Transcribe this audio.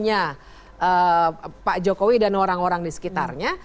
ini adalah keuntungannya pak jokowi dan orang orang di sekitarnya